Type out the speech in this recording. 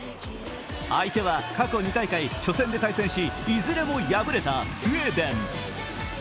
相手は、過去２大会、初戦で対戦しいずれも敗れたスウェーデン。